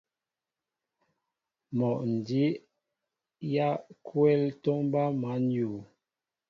Mol a njii yaakwɛl tomba măn yu.